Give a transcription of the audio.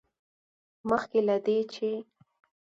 مخکې له دې، چې